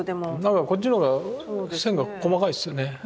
こっちの方が線が細かいっすよね。